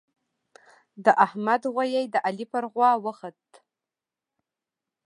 د احمد غويی د علي پر غوا وخوت.